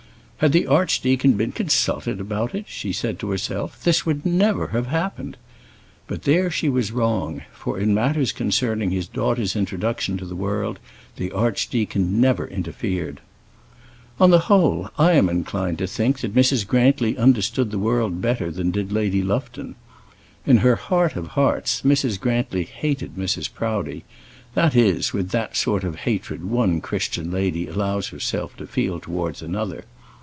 "Had the archdeacon been consulted about it," she said to herself, "this would never have happened." But there she was wrong, for in matters concerning his daughter's introduction to the world the archdeacon never interfered. On the whole, I am inclined to think that Mrs. Grantly understood the world better than did Lady Lufton. In her heart of hearts Mrs. Grantly hated Mrs. Proudie that is, with that sort of hatred one Christian lady allows herself to feel towards another.